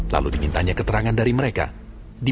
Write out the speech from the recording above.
maka dikumpulkannya semua imam kepala dan ahli taurat bangsa yahudi